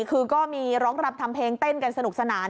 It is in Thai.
คือก็มีร้องรำทำเพลงเต้นกันสนุกสนาน